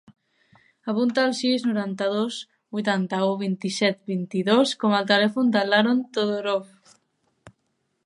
Apunta el sis, noranta-dos, vuitanta-u, vint-i-set, vint-i-dos com a telèfon de l'Aaron Todorov.